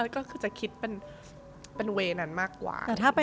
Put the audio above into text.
ก็คือจะคิดเป็นเวย์นั้นมากกว่า